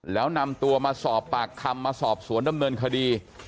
แล้วนำตัวมาสอบปากคำมาสอบสวนดำเนินคดี